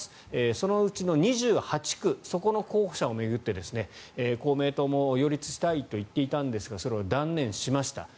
そのうちの２８区そこの候補者を巡って公明党も擁立したいと言っていたんですがそれを断念しました。